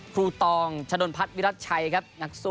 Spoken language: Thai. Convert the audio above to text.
ครูตองชะดลพัดวิรัตชัยครับ